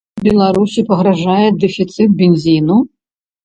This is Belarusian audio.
Беларусі пагражае дэфіцыт бензіну?